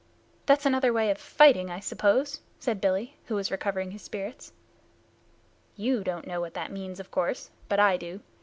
"That's another way of fighting, I suppose?" said Billy, who was recovering his spirits. "You don't know what that means, of course, but I do.